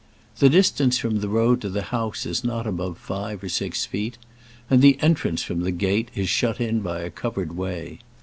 The distance from the road to the house is not above five or six feet, and the entrance from the gate is shut in by a covered way.